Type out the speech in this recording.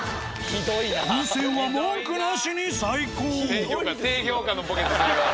温泉は文句なしに最高。